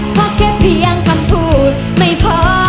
เพราะแค่เพียงคำพูดไม่พอ